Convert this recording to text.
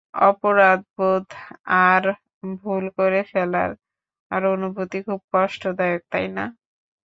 অপরাধবোধ আর, ভুল করে ফেলার অনুভূতি খুব কষ্টদায়ক, তাইনা?